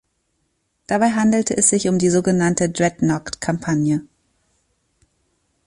Dabei handelte es sich um die so genannte Dreadnought-Kampagne.